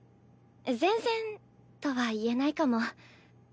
えっ全然とは言えないかも。